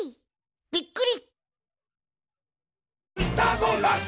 びっくり！